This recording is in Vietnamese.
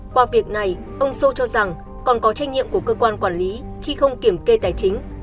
qua việc này ông sô cho rằng còn có trách nhiệm của cơ quan quản lý khi không kiểm kê tài chính